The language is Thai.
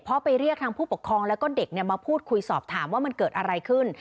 เพราะไปเรียกทางผู้ปกครองแล้วก็เด็กมาพูดคุยสอบถามว่ามันเกิดอะไรขึ้น